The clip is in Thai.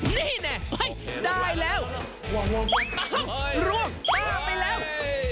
นี่ไหนเฮ้ยได้แล้วหวงร่บลวงป้าไปแล้ว